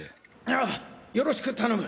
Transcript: ああよろしく頼む。